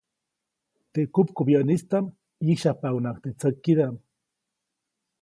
Teʼ kupkubyäʼnistaʼm ʼyĩsyajpaʼunhnaʼajk teʼ tsäkidaʼm.